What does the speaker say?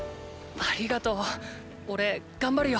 ありがとうおれ頑張るよ！